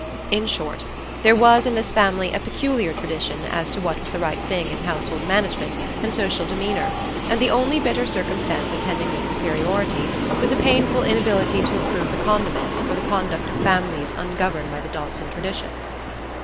In short, there was in this family a peculiar tradition as to what was the right thing in household management and social demeanour, and the only bitter circumstance attending this superiority was a painful inability to approve the condiments or the conduct of families ungoverned by the Dodson tradition.